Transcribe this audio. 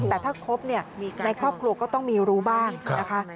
แต่ถ้าครบเนี่ยในครอบครัวก็ต้องมีรู้บ้างนะคะ